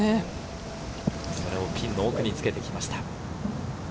ピンの奥につけてきました。